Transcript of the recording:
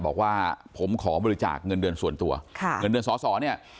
บอกว่าผมขอบริจาคเงินเดือนส่วนตัวค่ะเงินเดือนสอสอเนี่ย